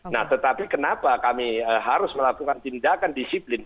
nah tetapi kenapa kami harus melakukan tindakan disiplin